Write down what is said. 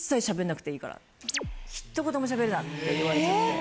ひと言も喋るなって言われちゃって。